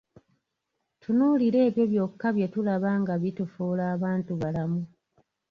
Tutunuulire ebyo byokka bye tulaba nga bitufuula abantubalamu.